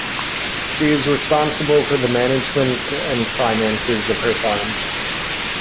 She is responsible for the management and finances of her farm.